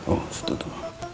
oh situ tuh